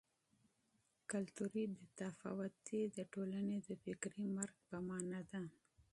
فرهنګي بې تفاوتي د ټولنې د فکري مرګ په مانا ده.